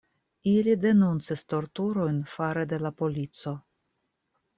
Ili denuncis torturojn fare de la polico.